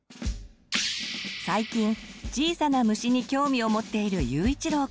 最近小さな虫に興味をもっているゆういちろうくん。